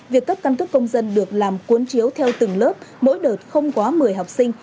việc cấp căn cước công dân được làm cuốn chiếu theo từng lớp mỗi đợt không quá một mươi học sinh